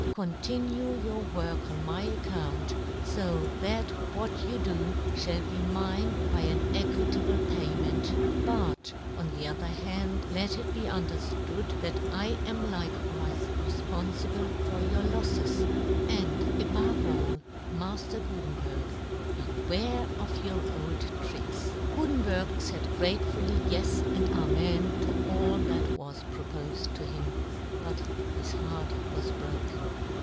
" Continue your work on my ac " count, fo that what you do, fhall " be mine by an equitable payment, " but, on the other hand, let it be " underftood that I am likewife re " fponiible for your lofles ; and above " all, Mafter Gutenberg, beware of " your old tricks !" Gutenberg faid gratefully Yes and Amen to all that was propofed to him, but his heart was broken.